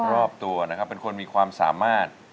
รอบตัวนะครับเป็นคนมีความสามารถ